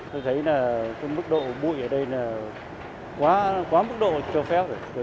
tôi thấy là mức độ bụi ở đây là quá mức độ cho phép rồi